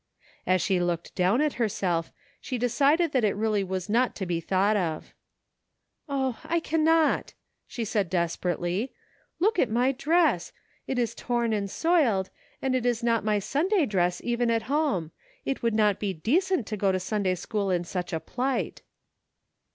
As she looked down at herself she decided that it really was not to be thought of. "O, I cannot," she said desperately, "look at my dress; it is torn and soiled, and it is not my Sunday dress even at home ; it would not be decent to go to Sunday school in such a plight."